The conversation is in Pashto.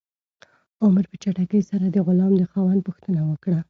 عمر په چټکۍ سره د غلام د خاوند پوښتنه وکړه.